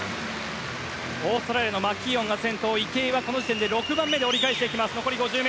オーストラリアのマキーオンが先頭池江はこの時点で６番目で折り返していきます。